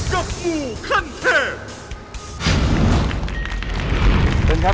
หมู่ให้สุดกับหมู่คันเทพ